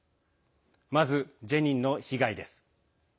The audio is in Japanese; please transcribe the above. まず、ジェニンの被害です。